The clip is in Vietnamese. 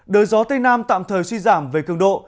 đời gió tây nam tạm thời suy giảm về cường độ